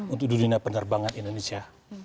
untuk dunia penerbangan indonesia